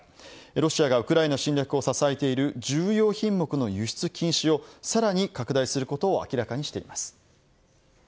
ロシアがウクライナ侵略を支えている重要品目の輸出禁止をさらに拡大することを明らかにしています。